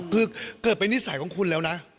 คือเกิดเป็นนิสัยของคุณแล้วนะ